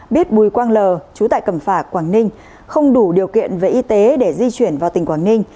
biết bùi quang l trú tại cầm phạc quảng ninh không đủ điều kiện về y tế để di chuyển vào tỉnh quảng ninh